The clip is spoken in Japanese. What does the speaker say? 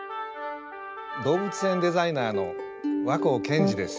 動物園デザイナーの若生謙二です。